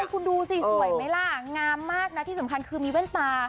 คุณดูสิสวยไหมล่ะงามมากนะที่สำคัญคือมีแว่นตา